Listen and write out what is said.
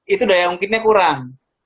itu daya mungkinnya kurang